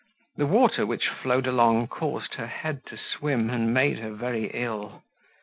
The water which flowed along caused her head to swim, and made her very ill.